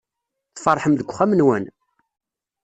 Tferḥem deg uxxam-nwen?